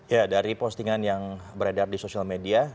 ya dari postingan yang beredar di sosial media